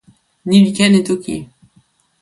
ni li ken e toki.